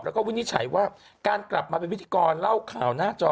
แล้วก็วินิจฉัยว่าการกลับมาเป็นพิธีกรเล่าข่าวหน้าจอ